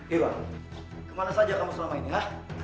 irwan kemana saja kamu selama ini